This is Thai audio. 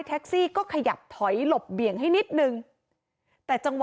แต่แท็กซี่เขาก็บอกว่าแท็กซี่ควรจะถอยควรจะหลบหน่อยเพราะเก่งเทาเนี่ยเลยไปเต็มคันแล้ว